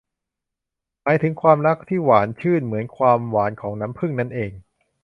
หมายถึงความรักที่หวานชื่นเหมือนความหวานของน้ำผึ้งนั่นเอง